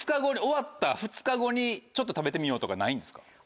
終わった２日後にちょっと食べてみようとかないんですか？